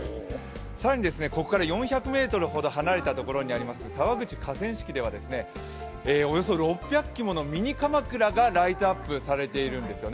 更にここから４００ｍほど離れたところにあります沢口河川敷ではおよそ６００基ものミニかまくらがライトアップされているんですよね。